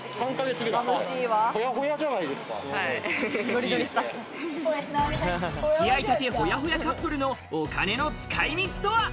つき合いたてホヤホヤカップルのお金の使い道とは？